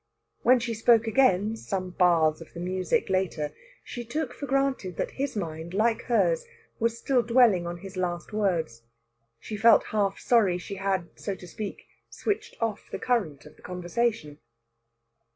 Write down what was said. When she spoke again, some bars of the music later, she took for granted that his mind, like hers, was still dwelling on his last words. She felt half sorry she had, so to speak, switched off the current of the conversation.